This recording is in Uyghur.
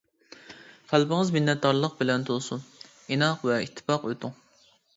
قەلبىڭىز مىننەتدارلىق بىلەن تولسۇن، ئىناق ۋە ئىتتىپاق ئۆتۈڭ.